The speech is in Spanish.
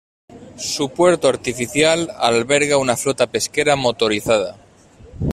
Su puerto artificial alberga una flota pesquera motorizada.